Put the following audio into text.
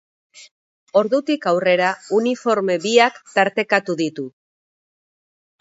Ordutik aurrera uniforme biak tartekatu ditu.